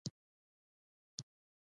دا په بې پیلوټه الوتکو کې کارول کېږي.